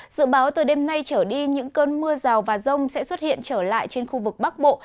dự báo từ đêm nay trở đi những cơn mưa rào và rông sẽ xuất hiện trở lại trên khu vực bắc bộ